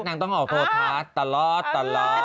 ต้องออกโทรทัศน์ตลอดตลอด